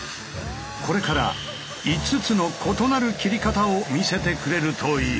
これから５つの異なる切り方を見せてくれるという。